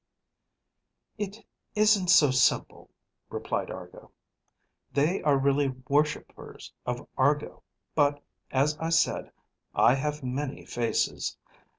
"It isn't so simple," replied Argo. "They are really worshipers of Argo, but as I said, I have many faces.